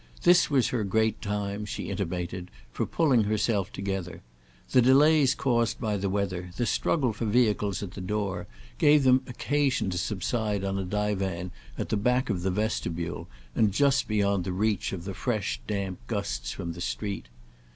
This was her great time, she intimated, for pulling herself together. The delays caused by the weather, the struggle for vehicles at the door, gave them occasion to subside on a divan at the back of the vestibule and just beyond the reach of the fresh damp gusts from the street.